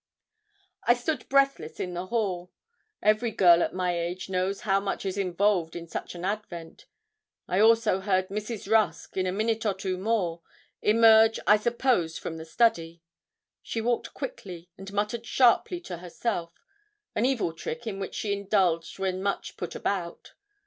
I stood breathless in the hall. Every girl at my age knows how much is involved in such an advent. I also heard Mrs. Rusk, in a minute or two more, emerge I suppose from the study. She walked quickly, and muttered sharply to herself an evil trick, in which she indulged when much 'put about.'